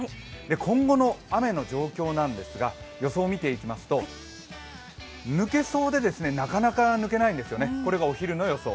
今後の雨の状況なんですが予想を見ていきますと抜けそうで、なかなか抜けないんですよね、これがお昼の予想。